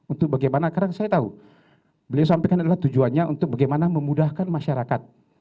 untuk bagaimana karena saya tahu beliau sampaikan adalah tujuannya untuk bagaimana memudahkan masyarakat